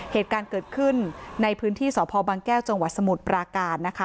เหตุการณ์เกิดขึ้นในพื้นที่สพบางแก้วจังหวัดสมุทรปราการนะคะ